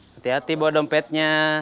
hati hati bawa dompetnya